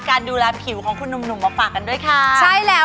การดูร้านผิวของคุณหนุ่มมาฝากกันด้วยค่ะ